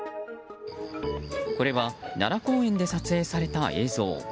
これは奈良公園で撮影された映像。